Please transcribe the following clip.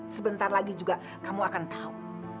sebentar lagi juga kamu akan tahu